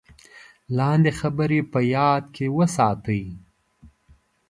لاندې خبرې په یاد کې وساتئ: